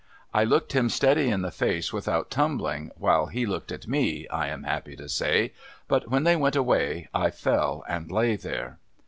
I looked him steady in the face without tumbling while he looked at me, I am happy to say ; but, when they went away, I fell, and lay there.